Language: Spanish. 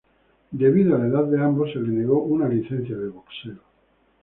Debido a la edad de ambos, se les negó una licencia de boxeo.